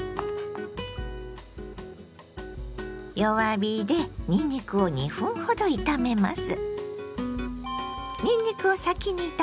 弱火でにんにくを２分ほど炒めます。